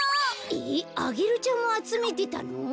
えっアゲルちゃんもあつめてたの？